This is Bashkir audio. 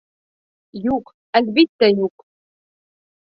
Юҡ, әлбиттә, юҡ!